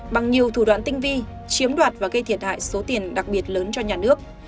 bằng nhiều thủ đoạn tinh vi chiếm đoạt và gây thiệt hại số tiền đặc biệt lớn cho nhà nước